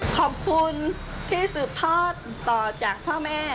ขอบคุณที่สืบทอดต่อจากพ่อแม่